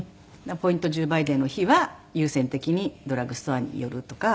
ポイント１０倍デーの日は優先的にドラッグストアに寄るとか。